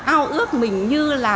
ao ước mình như là